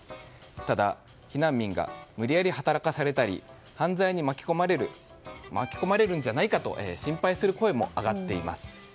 ただ、避難民が無理やり働かせられたり犯罪に巻き込まれるのではないかと心配する声も上がっています。